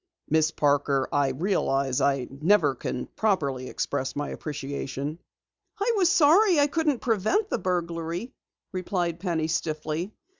Miss Parker, I realize I never can properly express my appreciation." "I was sorry I couldn't prevent the burglary," replied Penny stiffly.